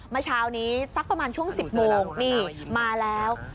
เมื่อเช้านี้สักประมาณช่วง๑๐โมงนี่มาแล้ว